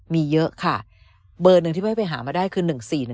มีเยอะค่ะเบอร์หนึ่งที่พี่ไปหามาได้คือ๑๔๑